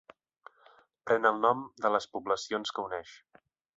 Pren el nom de les poblacions que uneix.